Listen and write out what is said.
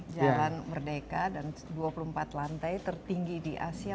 jalan merdeka dan dua puluh empat lantai tertinggi di asia